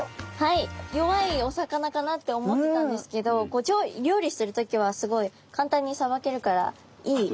弱いお魚かなって思ってたんですけど料理する時はすごい簡単にさばけるからいい。